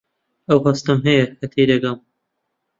ئەو هەستەم هەیە کە تێدەگەم.